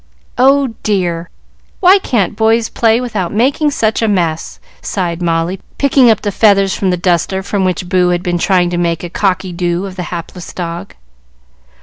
"Oh dear! why can't boys play without making such a mess," sighed Molly, picking up the feathers from the duster with which Boo had been trying to make a "cocky doo" of the hapless dog.